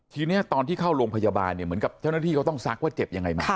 ทีนี้ตอนที่เข้าโรงพยาบาลเนี่ยเหมือนกับเจ้าหน้าที่เขาต้องซักว่าเจ็บยังไงมา